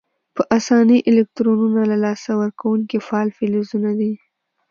په آساني الکترونونه له لاسه ورکونکي فعال فلزونه دي.